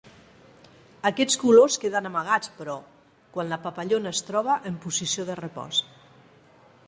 Aquests colors queden amagats però quan la papallona es troba en posició de repòs.